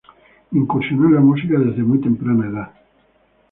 Incursionó en la música desde muy temprana edad.